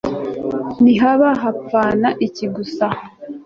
ntihaba bapfana iki gusa